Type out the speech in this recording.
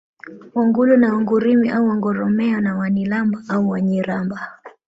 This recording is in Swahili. Wangulu na Wangurimi au Wangoreme na Wanilamba au Wanyiramba